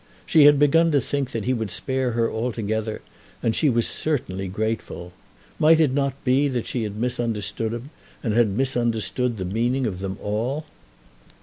She had begun to think that he would spare her altogether, and she was certainly grateful. Might it not be that she had misunderstood him, and had misunderstood the meaning of them all?